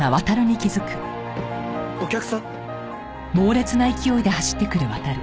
お客さん！？